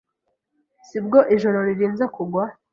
Si bwo ijoro ririnze kugwa